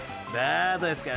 ［どうですかね？